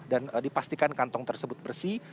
dan dipastikan kantong tersebut bersih